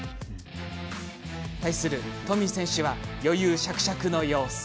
対するＴｏｍｙ選手は余裕しゃくしゃくの様子。